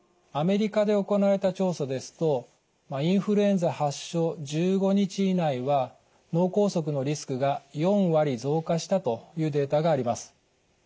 アメリカで行われた調査ですとインフルエンザ発症１５日以内は脳梗塞のリスクが４割増加したというデータがあります。